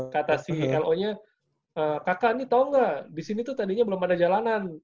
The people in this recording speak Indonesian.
kata si lo nya kakak ini tau gak disini tuh tadinya belum ada jalanan